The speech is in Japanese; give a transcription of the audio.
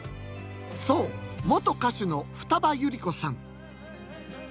そう元歌手の二葉百合子さん。